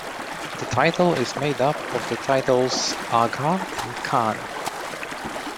The title is made up of the titles agha and khan.